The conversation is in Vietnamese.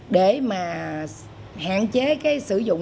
để mà hạn chế cái sử dụng